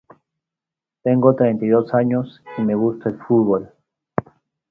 Es decir, la unidad básica entre los órganos de impartición de justicia.